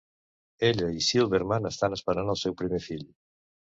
Ella i Silverman estan esperant el seu primer fill.